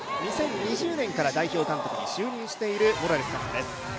２０２０年から代表監督に就任しているモラレス監督です。